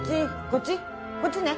こっちね。